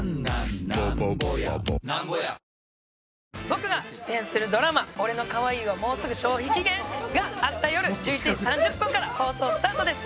「僕が出演するドラマ『俺の可愛いはもうすぐ消費期限！？』が明日よる１１時３０分から放送スタートです」